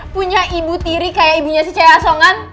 punya ibu tiri kayak ibunya si cahaya asongan